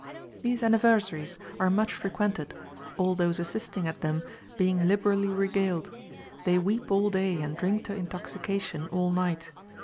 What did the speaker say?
These anniversaries are much frequented, all those assisting at them being liberally regaled. They weep all day and drink to intoxication all night.